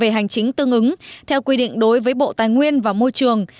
về hành chính tương ứng theo quy định đối với bộ tài nguyên và môi trường